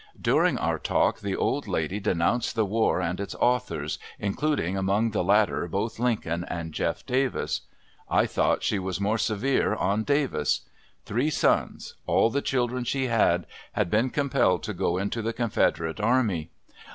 During our talk the old lady denounced the war and its authors, including among the latter both Lincoln and Jeff Davis. I thought she was more severe on Davis. Three sons all the children she had had been compelled to go into the Confederate army.